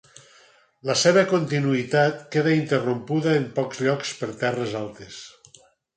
La seva continuïtat queda interrompuda en pocs llocs per terres altes.